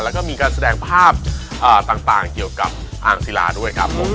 แล้วก็มีการแสดงภาพต่างเกี่ยวกับอ่างศิลาด้วยครับผม